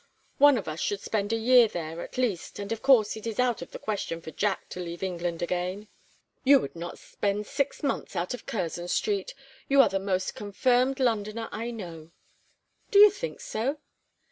One of us should spend a year there, at least; and of course it is out of the question for Jack to leave England again." "You would not spend six months out of Curzon Street. You are the most confirmed Londoner I know." "Do you think so?"